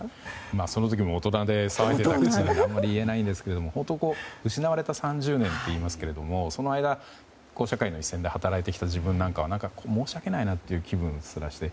まあ、その時も大人で騒いでいたクチなのであまり言えないんですけど本当に失われた３０年といいますけどその間、社会の一線で働いてきた自分なんかは申し訳ないなという気すらして。